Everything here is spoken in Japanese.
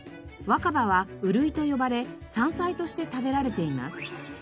若葉は「ウルイ」と呼ばれ山菜として食べられています。